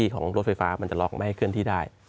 ของรถไฟฟ้ามันจะล็อกไม่ให้เคลื่อนที่ได้